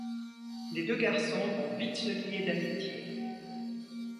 Les deux garçons vont vite se lier d'amitié.